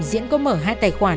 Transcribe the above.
diễn có mở hai tài khoản